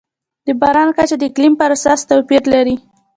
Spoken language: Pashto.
د باران کچه د اقلیم پر اساس توپیر لري.